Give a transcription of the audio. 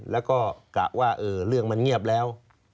แล้วก็กะว่าเรื่องมันเงียบแล้ว